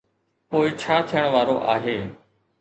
پوءِ ڇا ٿيڻ وارو آهي؟